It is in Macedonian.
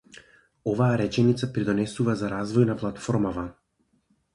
Оваа реченица придонесува за развој на платформава.